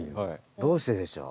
どうしてでしょう？